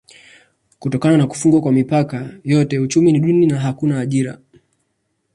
Kutokana na kufungwa kwa mipaka yote uchumi ni duni: hakuna ajira.